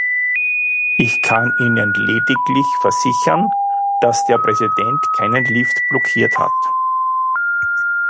Ich kann Ihnen lediglich versichern, dass der Präsident keinen Lift blockiert hat.